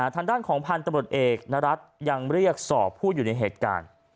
ทางด้านของพันธุ์ตำรวจเอกนรัฐยังเรียกสอบผู้อยู่ในเหตุการณ์